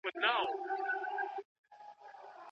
د ټولنې د اصلاح لپاره خپل غږ پورته کړئ.